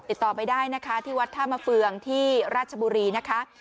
ติดต่อไปได้นะคะที่วัดท่ามะเฟืองที่ราชบุรีนะคะ